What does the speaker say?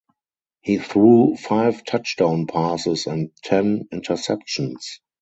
He threw five touchdown passes and ten interceptions.